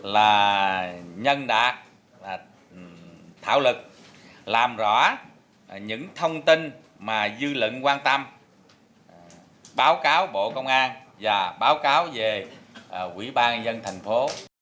là nhân đạt thảo lực làm rõ những thông tin mà dư lận quan tâm báo cáo bộ công an và báo cáo về ủy ban nhân thành phố